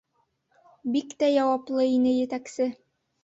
Бик тә яуаплы ине етәксе.